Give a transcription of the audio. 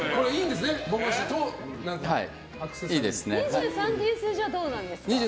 ２３という数字はどうなんですか？